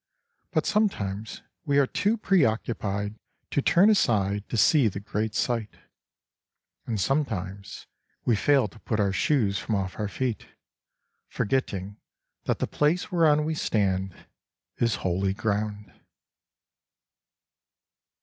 But sometimes we are too preoccupied to turn aside to see the great sight; and sometimes we fail to put our shoes from off our feet, forgetting that the place whereon we stand is holy ground.